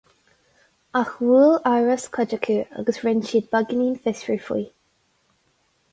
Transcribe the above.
Ach bhuail amhras cuid acu agus rinne siad beagáinín fiosrú faoi.